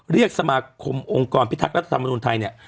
เรียกสมาคมองค์กรพิทักษ์และสมนุนไทย